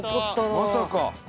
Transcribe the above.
まさか。